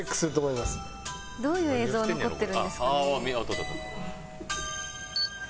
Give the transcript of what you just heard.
どういう映像残ってるんですかね？